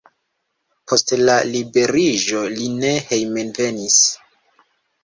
Post la liberiĝo li ne hejmenvenis.